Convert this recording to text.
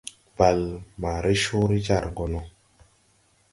Bàl maa re coore jar gɔ no.